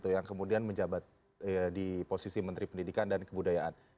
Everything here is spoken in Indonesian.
yang kemudian menjabat di posisi menteri pendidikan dan kebudayaan